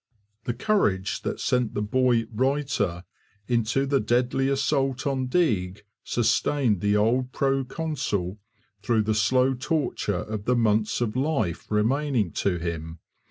The courage that sent the boy 'writer' into the deadly assault on Deeg sustained the old proconsul through the slow torture of the months of life remaining to him.